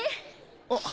あっ。